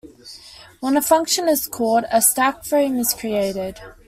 When a function is called, a stack frame is created.